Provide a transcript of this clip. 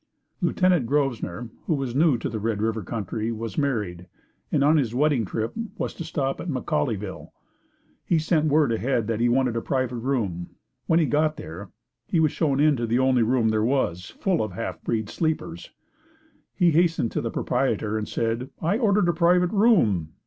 Lieut. Grosvenor who was new to the Red River country was married and on his wedding trip was to stop at McCauleyville. He sent word ahead that he wanted a private room. When he got there, he was shown into the only room there was full of half breed sleepers. He hastened to the proprietor and said, "I ordered a private room."